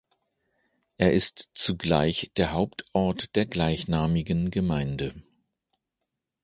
Er ist zugleich der Hauptort der gleichnamigen Gemeinde.